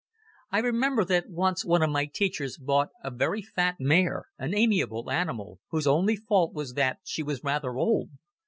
I remember that once one of my teachers bought a very fat mare, an amiable animal, whose only fault was that she was rather old.